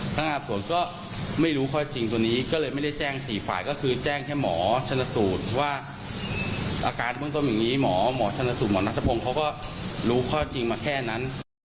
พนักงานส่วนก็ไม่รู้ข้อจริงตัวนี้ก็เลยไม่ได้แจ้ง๔ฝ่ายก็คือแจ้งแค่หมอชนสูตรว่าอาการเบื้องต้นอย่างนี้หมอหมอชนสูตรหมอนัทพงศ์เขาก็รู้ข้อจริงมาแค่นั้น